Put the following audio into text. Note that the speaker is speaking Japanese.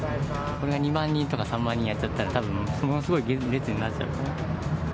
これが２万人とか３万人やっちゃったら、たぶん、ものすごい列になっちゃうよね。